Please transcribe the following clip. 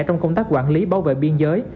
trong công tác quản lý bảo vệ biên giới